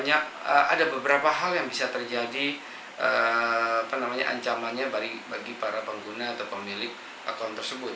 ada beberapa hal yang bisa terjadi ancamannya bagi para pengguna atau pemilik akun tersebut